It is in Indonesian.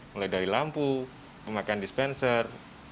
mulai dari lampu pemakaian dispenser